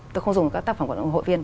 tôi không dùng các tác phẩm của hội viên